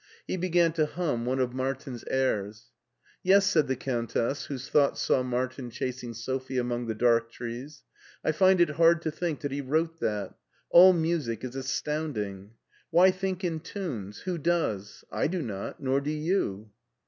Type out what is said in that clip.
He began to himi one of Martin's airs. '*Yes,*' said the Countess, whose thoughts saw Martin chasing Sophie among the dark trees ;" I find it hard to think that he wrote that; all music is as tounding. Why think in times — ^who does ? I do not, nor do you.'